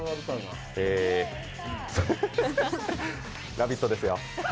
「ラヴィット！」ですよ。